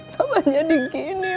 kenapa jadi begini mbak